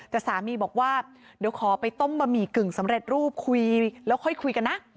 แต่สามีบอกว่าเดี๋ยวขอไปต้มบะหมี่กึ่งสำเร็จรูปคุยแล้วค่อยคุยกันนะ